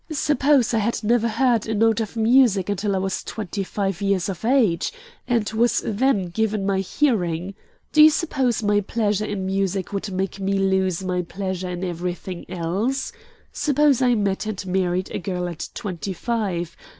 Suppose I had never heard a note of music until I was twenty five years of age, and was then given my hearing. Do you suppose my pleasure in music would make me lose my pleasure in everything else? Suppose I met and married a girl at twenty five.